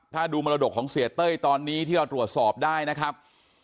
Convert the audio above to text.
ถ้าดูมรดกของเสียเต้ยตอนนี้ที่เราตรวจสอบได้นะครับ